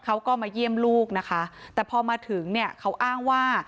เขาก็มาเยี่ยมลูกนะคะแต่พอมาถึงเนี่ยเขาอ้างว่า